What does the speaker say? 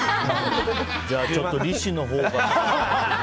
じゃあちょっと利子のほうが。